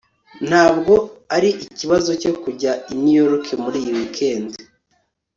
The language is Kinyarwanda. ntabwo ari ikibazo cyo kujya i new york muri iyi weekend